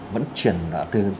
vẫn chuyển từ